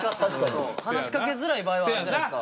話しかけづらい場合あるじゃないですか。